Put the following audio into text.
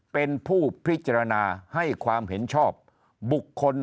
เป็นผู้พิจารณาให้ความเห็นชอบบุคคล